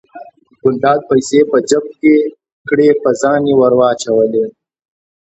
ګلداد پیسې په جب کې کړې په ځان یې ور واچولې.